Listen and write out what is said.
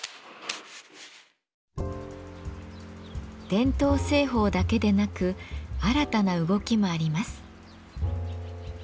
伝統製法だけでなく新たな動きもあります。